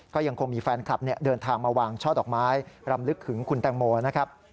ก็ยังคงมีแฟนคลับเดินทางมาวางช่อดอกไม้รำลึกถึงคุณแตงโมนะครับ